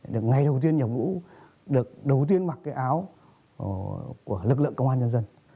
được ngày đầu tiên nhập ngũ được đầu tiên mặc cái áo của lực lượng công an nhân dân